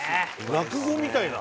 落語みたいな。